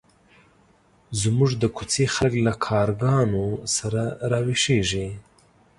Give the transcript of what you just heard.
زموږ د کوڅې خلک له کارګانو سره راویښېږي.